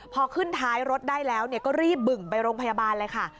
พอขึ้นท้ายรถได้แล้วก็รีบบึ่งไปโรงพยาบาลเลยค่ะ